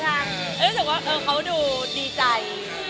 รู้สึกว่าเขาดูดีใจ